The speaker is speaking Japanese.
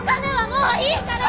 もういいから。